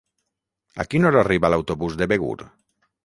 A quina hora arriba l'autobús de Begur?